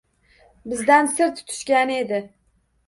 Bizdan sir tutishgani edi.